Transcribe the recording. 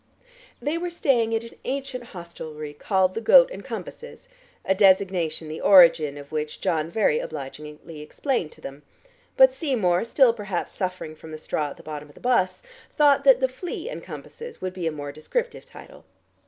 They were staying at an ancient hostelry called the "Goat and Compasses," a designation the origin of which John very obligingly explained to them, but Seymour, still perhaps suffering from the straw at the bottom of the 'bus, thought that the "Flea and Compasses" would be a more descriptive title.